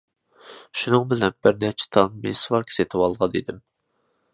شۇنىڭ بىلەن بىر نەچچە تال مىسۋاك سېتىۋالغان ئىدىم.